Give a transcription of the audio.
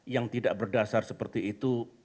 yang tidak berdasar seperti itu